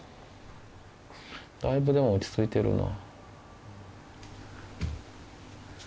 だいぶでも落ち着いてるな。